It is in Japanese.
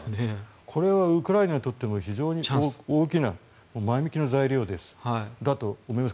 これはウクライナにとっても非常に大きな前向きな材料だと思います。